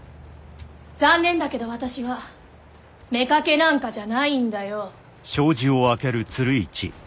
残念だけど私は妾なんかじゃないんだよ。